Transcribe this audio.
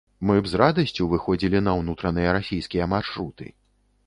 Мы б з радасцю выходзілі на ўнутраныя расійскія маршруты.